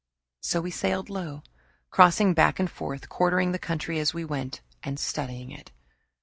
So we sailed low, crossing back and forth, quartering the country as we went, and studying it.